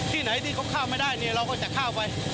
ที่ไหนที่เขาเข้าไม่ได้เนี่ยเราก็จะเข้าไป